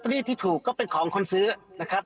ทนายเกิดผลครับ